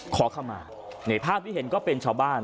ขอเข้ามาในภาพที่เห็นก็เป็นชาวบ้าน